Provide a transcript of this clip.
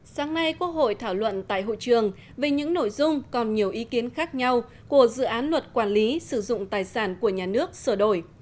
sáng nay quốc hội thảo luận tại hội trường về những nội dung còn nhiều ý kiến khác nhau của dự án luật quản lý sử dụng tài sản của nhà nước sửa đổi